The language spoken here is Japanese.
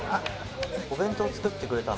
お弁当作ってくれたの？